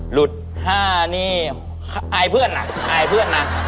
หลุด๕นี่อายเพื่อนอ่ะอายเพื่อนนะ